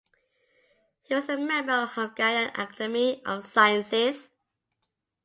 He was a member of the Hungarian Academy of Sciences.